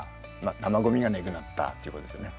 生ごみがネグナッターということですよね。